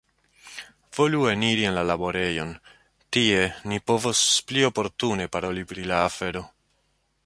Volu eniri en la laborejon; tie ni povos pli oportune paroli pri la afero.